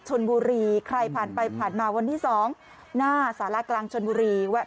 ชนบุรีใครผ่านไปผ่านมาวันที่๒หน้าสารากลางชนบุรีแวะ